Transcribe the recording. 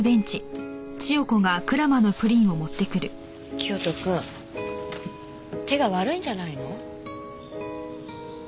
清人くん手が悪いんじゃないの？